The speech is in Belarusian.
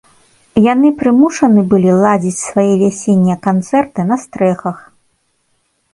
Яны прымушаны былі ладзіць свае вясеннія канцэрты на стрэхах.